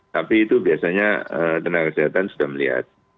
tapi itu biasanya tenaga kesehatan sudah melihat